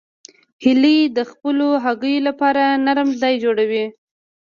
هیلۍ د خپلو هګیو لپاره نرم ځای جوړوي